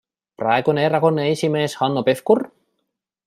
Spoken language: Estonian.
Praegune erakonna esimees Hanno Pevkur?